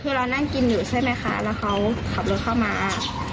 คือเรานั่งกินอยู่ใช่ไหมคะแล้วเขาขับรถเข้ามา